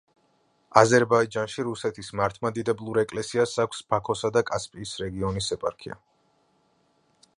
აზერბაიჯანში რუსეთის მართლმადიდებლურ ეკლესიას აქვს ბაქოსა და კასპიის რეგიონის ეპარქია.